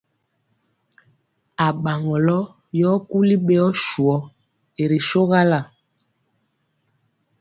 Aɓaŋɔlɔ yɔ kuli ɓeyɔ swɔ i ri sogala.